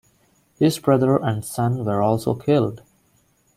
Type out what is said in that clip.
His brother and son were also killed.